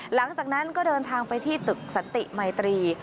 หลังจากนั้นก็เดินทางไปที่ตึกสันติมัยตรี